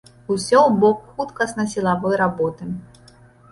Усё ў бок хуткасна-сілавой работы.